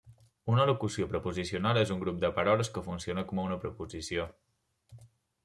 Una locució preposicional és un grup de paraules que funciona com una preposició.